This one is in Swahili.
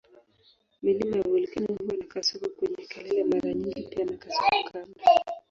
Milima ya volkeno huwa na kasoko kwenye kelele mara nyingi pia na kasoko kando.